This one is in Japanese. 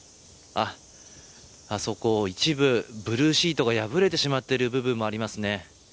あそこ一部、ブルーシートが破れてしまっている部分もありますね。